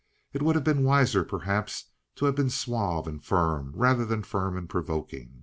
It would have been wiser, perhaps, to have been suave and firm rather than firm and provoking.